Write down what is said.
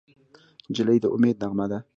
نجلۍ د امید نغمه ده.